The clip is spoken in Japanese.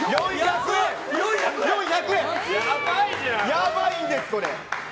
やばいんですよ、これ。